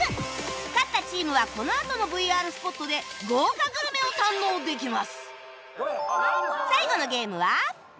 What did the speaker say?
勝ったチームはこのあとの ＶＲ スポットで豪華グルメを堪能できます